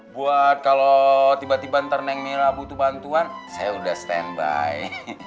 buat kalau tiba tiba ntar neng mila butuh bantuan saya udah standby